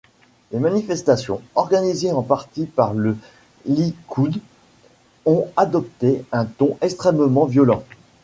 Les manifestations, organisées en partie par le Likoud, ont adopté un ton extrêmement violent.